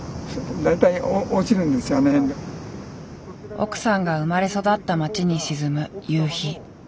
奥さんが生まれ育った町に沈む夕日。